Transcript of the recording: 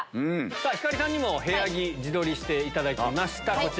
さぁ星さんにも部屋着自撮りしていただきました。